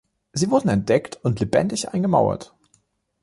Sie wurden entdeckt und lebendig eingemauert.